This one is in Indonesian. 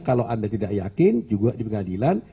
kalau anda tidak yakin juga di pengadilan